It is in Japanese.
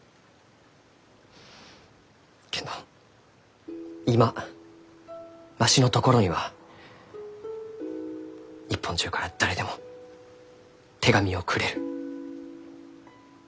けんど今わしのところには日本中から誰でも手紙をくれる。